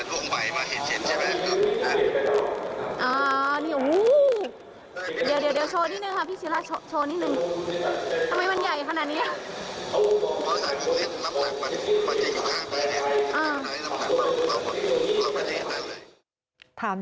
ถามจริงนั่นแหวนเหรอครรับครับพี่นัตยกภม